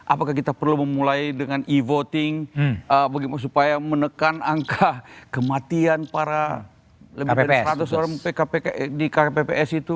apakah kita perlu memulai dengan e voting supaya menekan angka kematian para lebih dari seratus orang di kpps itu